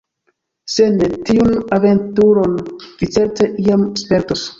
Se ne, tiun aventuron vi certe iam spertos.